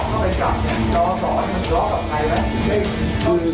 ดศดศกับใครไหม